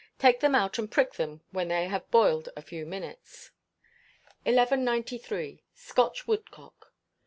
Take them out and prick them when they have boiled a few minutes. 1193. Scotch Woodcock.